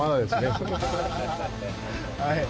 はい。